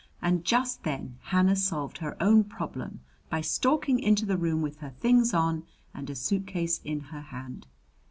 And just then Hannah solved her own problem by stalking into the room with her things on and a suitcase in her hand.